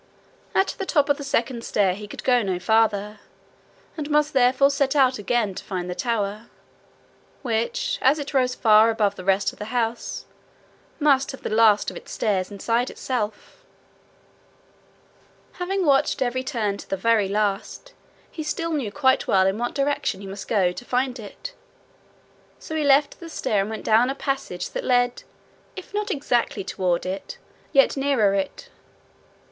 At the top of the second stair he could go no farther, and must therefore set out again to find the tower, which, as it rose far above the rest of the house, must have the last of its stairs inside itself. Having watched every turn to the very last, he still knew quite well in what direction he must go to find it, so he left the stair and went down a passage that led, if not exactly toward it, yet nearer it.